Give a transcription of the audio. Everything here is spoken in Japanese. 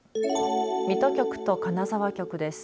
水戸局と金沢局です。